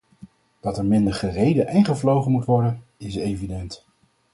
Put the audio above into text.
Dat er minder gereden en gevlogen moet worden, is evident.